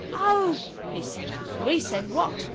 "Oh!" he said. We said, "What?